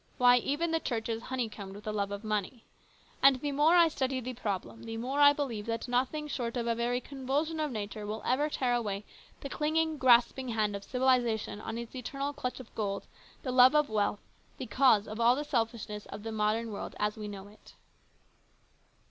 Why, even the church is honey combed with the love of money ! And the more I study the problem, the more I believe that nothing short of a very convulsion of nature will ever tear away the clinging, grasping hand of civilisation on its eternal clutch of gold, the love of wealth, the cause of all the selfishness of the modern world as we know it."